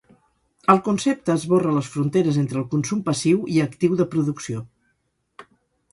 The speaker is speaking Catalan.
El concepte esborra les fronteres entre el consum passiu i actiu de producció.